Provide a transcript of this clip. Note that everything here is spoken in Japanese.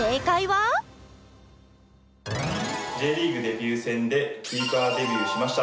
Ｊリーグデビュー戦でキーパーデビューしました。